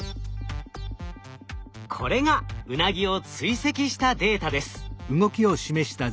これがウナギを追跡したデータです。